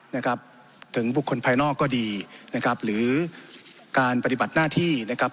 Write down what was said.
นะครับถึงบุคคลภายนอกก็ดีนะครับหรือการปฏิบัติหน้าที่นะครับ